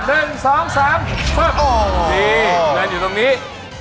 นี่เดินอยู่ตรงนี้